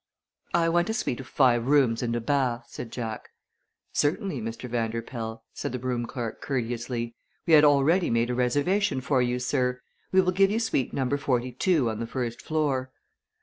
"I want a suite of five rooms and a bath," said Jack. "Certainly, Mr. Vanderpoel," said the room clerk, courteously. "We had already made a reservation for you, sir. We will give you suite number forty two on the first floor."